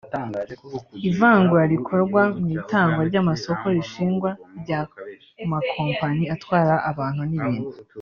Ivangura rikorwa mu itangwa ry’amasoko n’ishingwa ry’amakompanyi atwara abantu n’ibintu